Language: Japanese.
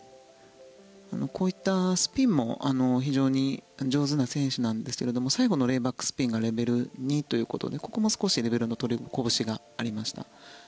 こういったスピンも非常に上手な選手なんですが最後のレイバックスピンがレベル２ということでここも少しレベルの取りこぼしがありました。